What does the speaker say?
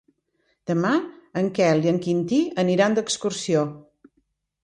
Demà en Quel i en Quintí aniran d'excursió.